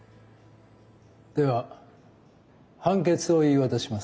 では判決を言い渡します。